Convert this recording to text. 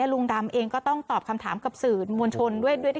ลุงดำเองก็ต้องตอบคำถามกับสื่อมวลชนด้วย